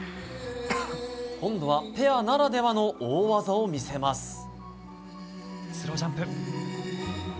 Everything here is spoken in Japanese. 今度はペアならではの大技を見せます。